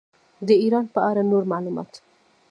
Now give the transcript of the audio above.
د ایران په اړه نور معلومات.